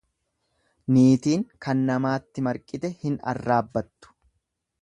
Niitiin kan namaatti marqite hin arraabbattu.